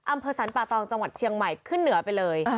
อำเภอสรรป่าตองจังหวัดเชียงใหม่ขึ้นเหนือไปเลย